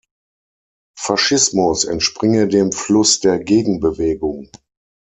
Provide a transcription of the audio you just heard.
Faschismus entspringe dem Fluss der Gegenbewegung.